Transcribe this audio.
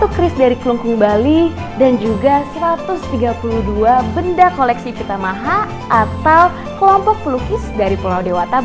satu kris dari kelungkung bali dan juga satu ratus tiga puluh dua benda koleksi pitamaha atau kelompok pelukis dari pulau dewata